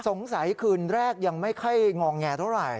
คืนแรกยังไม่ค่อยงอแงเท่าไหร่